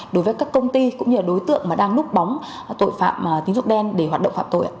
đối với các công ty cũng như đối tượng đang núp bóng tội phạm tín dụng đen